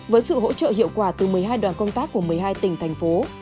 với sự hỗ trợ hiệu quả từ một mươi hai đoàn công tác của một mươi hai tỉnh thành phố